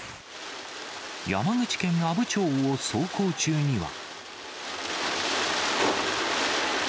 山口県阿武町を走行中には。